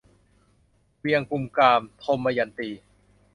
เวียงกุมกาม - ทมยันตี